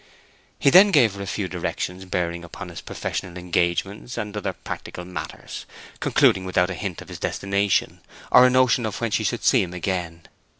He then gave her a few directions bearing upon his professional engagements and other practical matters, concluding without a hint of his destination, or a notion of when she would see him again.